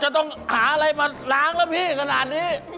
จะต้องหาอะไรมาล้างแล้วพี่ขนาดนี้